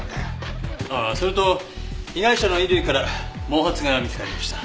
ああそれと被害者の衣類から毛髪が見つかりました。